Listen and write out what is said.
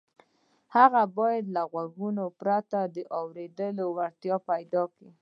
هغه باید له غوږونو پرته د اورېدو وړتیا پیدا کړي